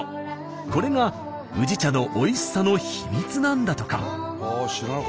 これが宇治茶のおいしさの秘密なんだとか。